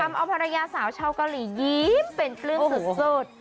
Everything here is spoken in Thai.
เอาภรรยาสาวชาวเกาหลียิ้มเป็นปลื้มสุด